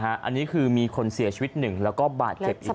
อันนี้คือมีคนเสียชีวิตหนึ่งแล้วก็บาดเจ็บอีก